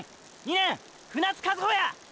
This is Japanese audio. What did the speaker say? ２年船津和歩や！